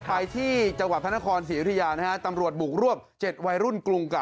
ไปที่จังหวัดพระนครศรียุธยานะฮะตำรวจบุกรวบ๗วัยรุ่นกรุงเก่า